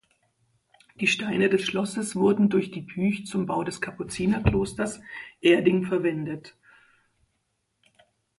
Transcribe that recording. Die Steine des Schlosses wurden durch die Puech zum Bau des Kapuzinerklosters Erding verwendet.